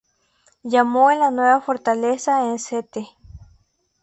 Llamó a la nueva fortaleza en St.